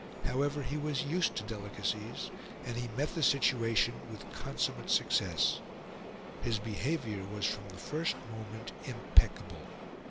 However, he was used to delicacies, and he met the situation with consummate success. His behaviour was from the first moment impeccable.